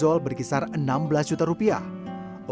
maka bagaimana anda menyebut covid sembilan belas